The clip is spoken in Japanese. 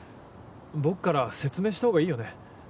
僕から説明したほうがいいよね